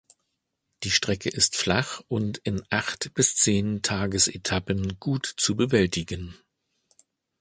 Die Strecke ist flach und in acht bis zehn Tagesetappen gut zu bewältigen.